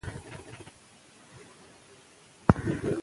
لیکوال د ټولنې د ټولو قشرونو لپاره یو روښانه پیغام لېږلی دی.